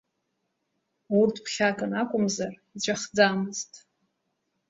Урҭ ԥхьакын акәымзар, иҵәахӡамызт.